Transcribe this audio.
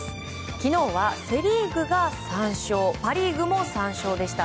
昨日はセ・リーグが３勝パ・リーグも３勝でした。